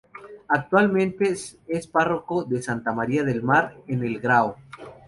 Actualmente es párroco de Santa María del Mar, en El Grao.